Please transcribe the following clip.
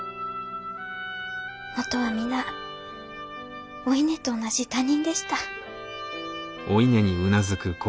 もとは皆お稲と同じ他人でした。